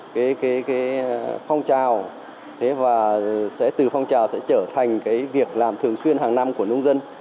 cái phong trào thế và sẽ từ phong trào sẽ trở thành cái việc làm thường xuyên hàng năm của nông dân